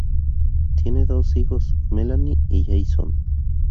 Tiene dos hijos, Melanie y Jason.